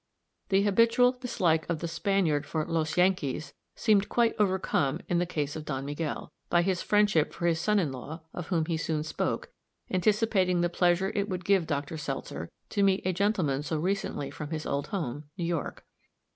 The habitual dislike of the Spaniard for "los Yankees," seemed quite overcome in the case of Don Miguel, by his friendship for his son in law, of whom he soon spoke, anticipating the pleasure it would give Dr. Seltzer to meet a gentleman so recently from his old home, New York.